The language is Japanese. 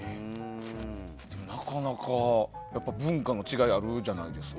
なかなか文化の違いがあるじゃないですか。